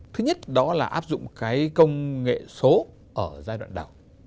thứ nhất đó là áp dụng cái công nghệ số ở giai đoạn đầu